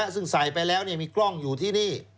ซึ่งใส่ไปแล้วมีกล้องอยู่ที่นี่